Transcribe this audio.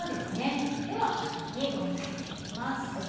では皿に盛り付けていきます。